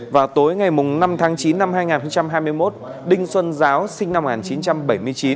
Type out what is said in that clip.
vào tối ngày năm tháng chín năm hai nghìn hai mươi một đinh xuân giáo sinh năm một nghìn chín trăm bảy mươi chín